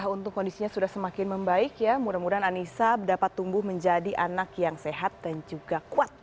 untuk kondisinya sudah semakin membaik ya mudah mudahan anissa dapat tumbuh menjadi anak yang sehat dan juga kuat